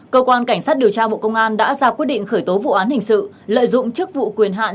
cơ quan cảnh sát điều tra bộ công an đã ra quyết định khởi tố vụ án hình sự lợi dụng chức vụ quyền hạn